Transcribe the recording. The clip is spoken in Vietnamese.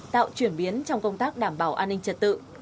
tạo chuyển biến trong công tác đảm bảo an ninh trật tự